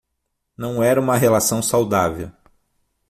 Não era uma relação saudável